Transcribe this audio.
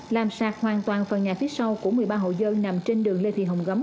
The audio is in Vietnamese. làm sạt hoàn toàn phần nhà phía sau của một mươi ba hộ dân nằm trên đường lê thị hồng gấm